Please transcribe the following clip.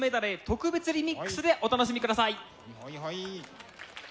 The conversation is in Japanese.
特別リミックスでお楽しみください！